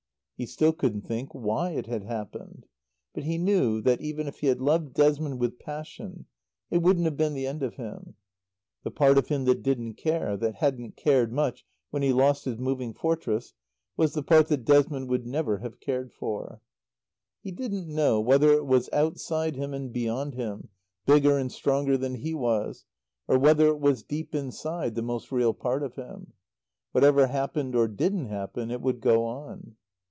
He still couldn't think why it had happened. But he knew that, even if he had loved Desmond with passion, it wouldn't have been the end of him. The part of him that didn't care, that hadn't cared much when he lost his Moving Fortress, was the part that Desmond never would have cared for. He didn't know whether it was outside him and beyond him, bigger and stronger than he was, or whether it was deep inside, the most real part of him. Whatever happened or didn't happen it would go on.